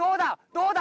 どうだ？